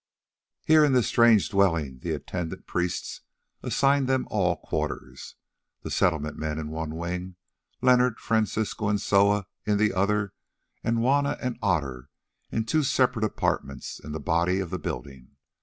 Here in this strange dwelling the attendant priests assigned them all quarters, the Settlement men in one wing, Leonard, Francisco and Soa in the other, and Juanna and Otter in two separate apartments in the body of the building.